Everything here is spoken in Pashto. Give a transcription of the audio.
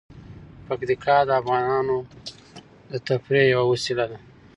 پکتیکا د افغانانو د تفریح یوه وسیله ده.